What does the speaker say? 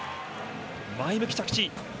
前向き着地。